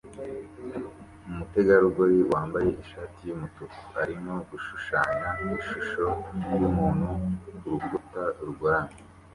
Umutegarugori wambaye ishati yumutuku arimo gushushanya ishusho yumuntu kurukuta rugoramye